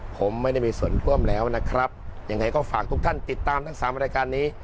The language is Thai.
ผมไม่ได้มีส่วนร่วมแล้วนะครับยังไงก็ฝากทุกท่านติดตามทั้งสามรายการนี้